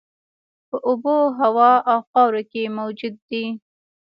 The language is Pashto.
په اوبو، هوا او خاورو کې موجود دي.